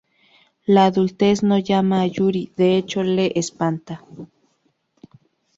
La adultez no llama a Yuri, de hecho, le espanta.